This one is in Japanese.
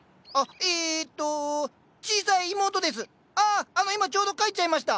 ああの今ちょうど帰っちゃいました。